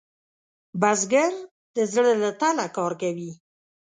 بزګر د زړۀ له تله کار کوي